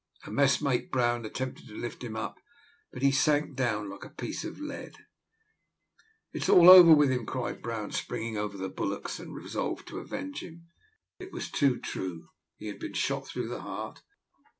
A messmate, Brown, attempted to lift him up, but he sank down like a piece of lead. "It's all over with him," cried Brown, springing over the bulwarks, and resolved to avenge him. It was too true. He had been shot through the heart.